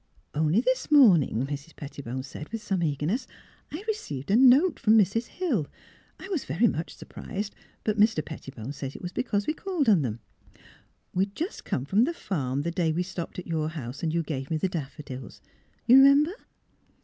" Only this morning," Mrs. Pettibone said, with some eagerness, ^' I received a note from Mrs. Hill. I was very much surprised; but Mr. Pettibone says it was because we called on them. ... We had just come from the farm the day THE DOOE AJAR 97 we stopped at your house and you gave me the daffodils. You remember?